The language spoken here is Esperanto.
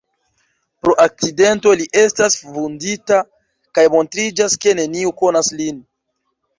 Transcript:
Pro akcidento li estas vundita, kaj montriĝas, ke neniu konas lin.